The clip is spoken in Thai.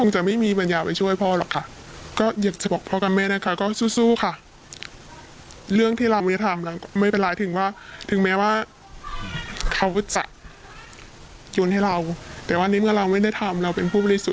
ใช่ค่ะอีกอย่างเขาก็มีแบบว่าลูกสาวเนาะก็เพราะกัน